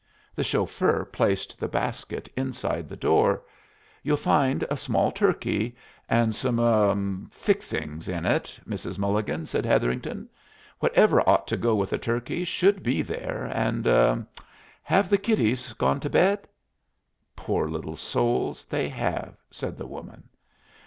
The chauffeur placed the basket inside the door. "You'll find a small turkey, and some er some fixings in it, Mrs. Mulligan," said Hetherington. "Whatever ought to go with a turkey should be there, and er have the kiddies gone to bed?" "Poor little souls, they have," said the woman.